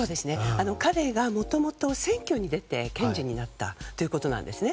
彼、もともと選挙に出て検事になったということなんですね。